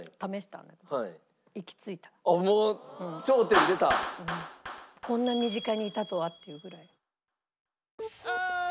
こんな身近にいたとはっていうぐらい。